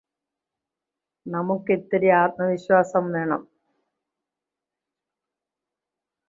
നമുക്കിത്തിരി ആത്മവിശ്വാസം വേണം